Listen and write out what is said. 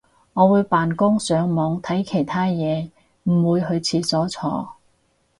我會扮工上網睇其他嘢唔會去廁所坐